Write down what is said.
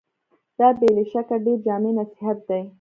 دا بې له شکه ډېر جامع نصيحت دی.